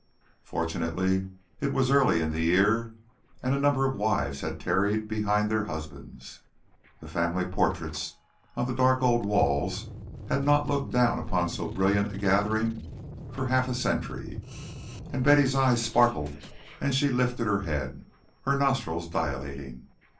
Fortunately it was early in the year, and a number of wives had tarried behind their husbands. The family portraits on the dark old walls had not looked down upon so brilliant a gathering for half a century, and Betty's eyes sparkled and she lifted her head, her nostrils dilating.